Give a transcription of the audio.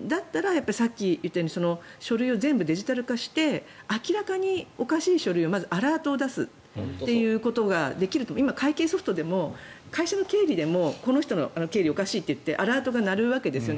だったら、さっき言ったように書類を全部デジタル化して明らかにおかしい書類をまずアラートを出すということができると今、会計ソフトでも会社の経理でもこの人の経理、おかしいといってアラートが鳴るわけですね。